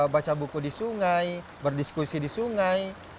baca buku di sungai berdiskusi di sungai